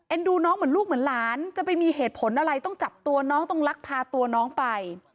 ดูน้องเหมือนลูกเหมือนหลานจะไปมีเหตุผลอะไรต้องจับตัวน้องต้องลักพาตัวน้องไป